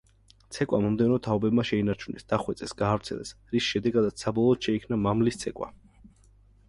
ცეკვა მომდევნო თაობებმა შეინარჩუნეს, დახვეწეს, გაავრცელეს, რის შედეგადაც საბოლოოდ შეიქმნა მამლის ცეკვა.